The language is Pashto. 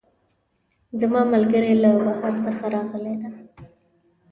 زما ملګرۍ له بهر څخه راغلی ده